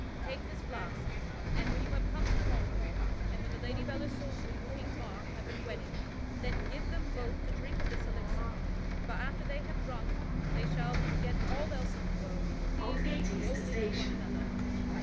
Take this flask, and when you have come to Cornwall, and when the Lady Belle Isoult and King Mark have been wedded, then give them both to drink of this elixir; for after they have drunk they shall forget all else in the world and cleave only to one another.